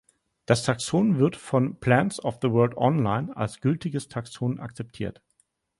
Das Taxon wird von "Plants of the World online" als gültiges Taxon akzeptiert.